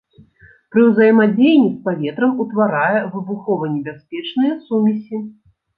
Пры ўзаемадзеянні з паветрам утварае выбухованебяспечныя сумесі.